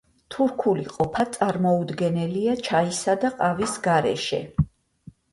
თურქული ყოფა წარმოუდგენელია ჩაისა და ყავის გარეშე.